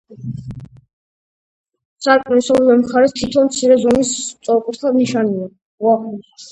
სარკმლის ორივე მხარეს თითო მცირე ზომის სწორკუთხა ნიშია.